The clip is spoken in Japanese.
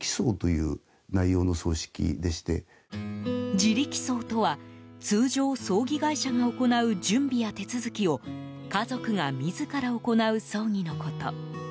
自力葬とは、通常葬儀会社が行う準備や手続きを家族が自ら行う葬儀のこと。